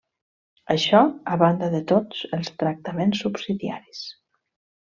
Això, a banda de tots els tractaments subsidiaris.